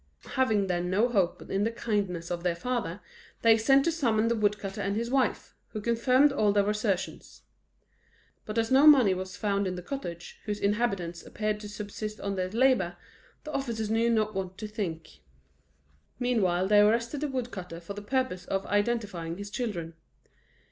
Having then no hope but in the kindness of their father, they sent to summon the woodcutter and his wife, who confirmed all their assertions. But as no money was found in the cottage, whose inhabitants appeared to subsist on their labour, the officers knew not what to think. Meantime they arrested the woodcutter for the purpose of identifying his children.